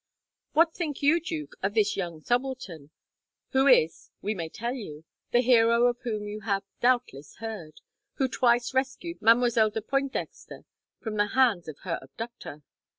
"What think you, Duke, of this young subaltern, who is, we may tell you, the hero of whom you have doubtless heard, who twice rescued Mademoiselle de Pointdexter from the hands of her abductor?"